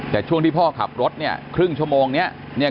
แต่ช่วงที่พ่อขับรถเนี่ยครึ่งชั่วโมงเนี่ย